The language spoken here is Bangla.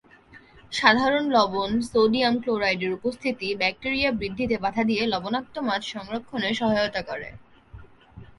সাধারণ লবণ, সোডিয়াম ক্লোরাইডের উপস্থিতি ব্যাকটিরিয়া বৃদ্ধিতে বাধা দিয়ে লবণাক্ত মাছ সংরক্ষণে সহায়তা করে।